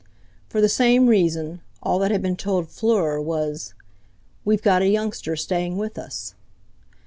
For the same reason, all that had been told Fleur was: "We've got a youngster staying with us."